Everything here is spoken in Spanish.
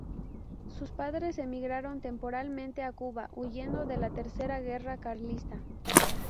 Sus padres emigraron temporalmente a Cuba huyendo de la tercera guerra carlista.